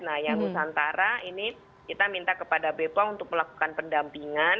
nah yang nusantara ini kita minta kepada bepom untuk melakukan pendampingan